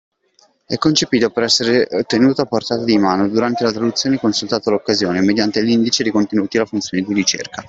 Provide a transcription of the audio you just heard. È concepito per essere tenuto a portata di mano durante la traduzione e consultato all’occasione mediante l’Indice dei contenuti o la funzione di ricerca.